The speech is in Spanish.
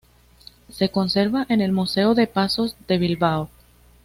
Se conserva en el Museo de Pasos de Bilbao.